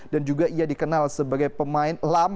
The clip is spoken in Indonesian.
dan juga ia dikenal sebagai pemain lampard